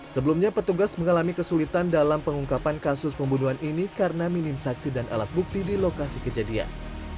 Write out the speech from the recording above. sebelumnya petugas mengalami kesulitan dalam pengungkapan kasus pembunuhan ini karena minim saksi dan alat bukti di lokasi kejadian